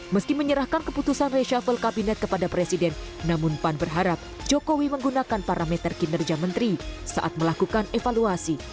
meski menyerahkan keputusan reshuffle kabinet kepada presiden namun pan berharap jokowi menggunakan parameter kinerja menteri saat melakukan evaluasi